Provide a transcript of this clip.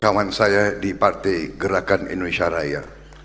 kawan saya di partai gerakan indonesia raya